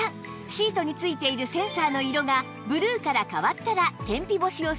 シートに付いているセンサーの色がブルーから変わったら天日干しをするだけ